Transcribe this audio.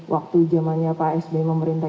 waktu zamannya pak sby memerintah